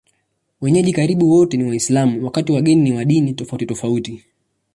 Wenyeji karibu wote ni Waislamu, wakati wageni ni wa dini tofautitofauti.